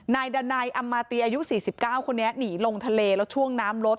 นายดันัยอำมาตีอายุ๔๙คนนี้หนีลงทะเลแล้วช่วงน้ำลด